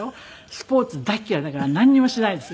スポーツ大嫌いだからなんにもしないんですよ。